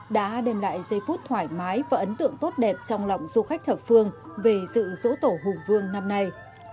đã đem lại giây phút thoải mái và ấn tượng tốt đẹp trong lòng du khách thật phương về sự rỗ tổ hùng vương năm nay